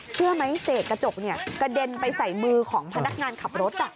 เชื่อไหมเศษกระจกกระเด็นไปใส่มือของพนักงานขับรถ